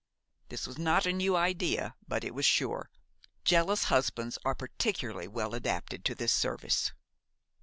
This was not a new idea, but it was sure; jealous husbands are particularly well adapted to this service.